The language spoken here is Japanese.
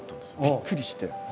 びっくりして。